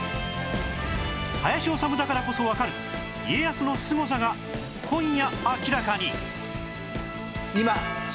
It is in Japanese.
林修だからこそわかる家康のすごさが今夜明らかに！